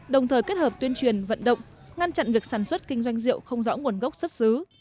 đồng thời kết hợp tuyên truyền vận động ngăn chặn việc sản xuất kinh doanh rượu không rõ nguồn gốc xuất xứ